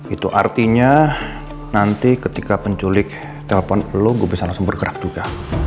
itu artinya nanti ketika penculik telpon belum gue bisa langsung bergerak juga